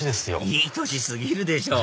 いい年過ぎるでしょ！